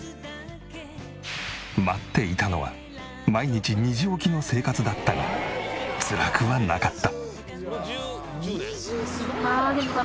待っていたのは毎日２時起きの生活だったがつらくはなかった。